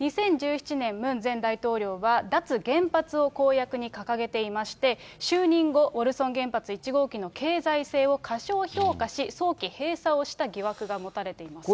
２０１７年、ムン前大統領は、脱原発を公約に掲げていまして、就任後ウォルソン原発１号機の経済性を過小評価し、早期閉鎖をした疑惑が持たれています。